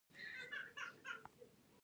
د شریانونو د پاکوالي لپاره څه شی وکاروم؟